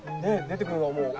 出てくるのはもう。